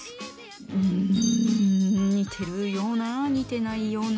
うん似てるような似てないような。